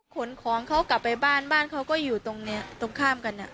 ผลของเค้ากลับไปบ้านบ้านเค้าก็อยู่ตรงบนข้ามกันเนี่ย